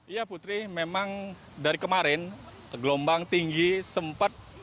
ya putri memang dari kemarin gelombang tinggi sempat